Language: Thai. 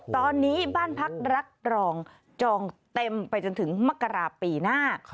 ตอนนี้บ้านพักรักรองจองเต็มไปจนถึงมกราปีหน้า